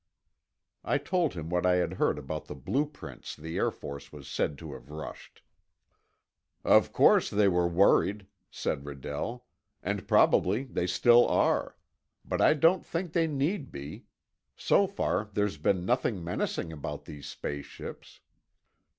I told him what I had heard about the blueprints the Air Force was said to have rushed. "Of course they were worried," said Redell. "And probably they still are. But I don't think they need be; so far, there's been nothing menacing about these space ships."